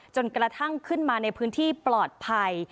จนกระทั่งขึ้นมาในพื้นที่ปลอดภัย